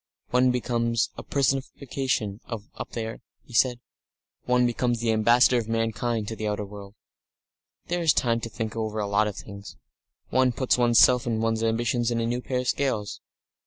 "One becomes a personification up there," he said. "One becomes the ambassador of mankind to the outer world. "There is time to think over a lot of things. One puts one's self and one's ambition in a new pair of scales....